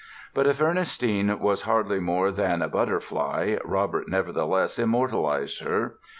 But if Ernestine was hardly more than a butterfly Robert nevertheless immortalized her.